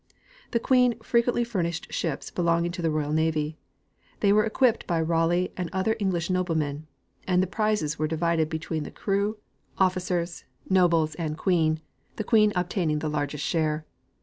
The queen frequently furnished ships belonging; to the ro3''al navy ; they were equipped by Raleigh and otlier English noble men, and the prizes were divided between the crew, officers, The Voyage of Drake. 15 nobles and queen, the queen obtaining the largest share.